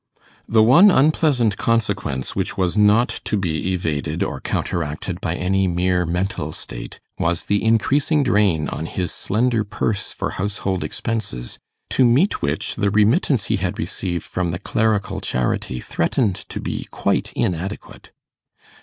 The one unpleasant consequence which was not to be evaded or counteracted by any mere mental state, was the increasing drain on his slender purse for household expenses, to meet which the remittance he had received from the clerical charity threatened to be quite inadequate.